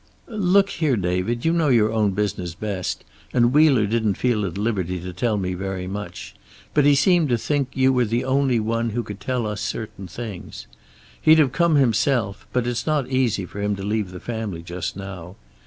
"Look here, David, you know your own business best, and Wheeler didn't feel at liberty to tell me very much. But he seemed to think you were the only one who could tell us certain things. He'd have come himself, but it's not easy for him to leave the family just now.